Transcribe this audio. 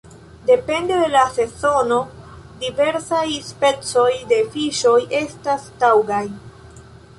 Depende de la sezono diversaj specoj de fiŝoj estas taŭgaj.